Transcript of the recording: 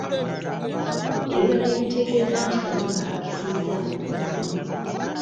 Ebirala ebitegeeza nti Kabaka akisizza omukono